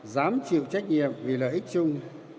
dám chịu trách nhiệm vì lợi ích chung